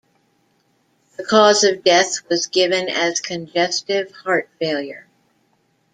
The cause of death was given as congestive heart failure.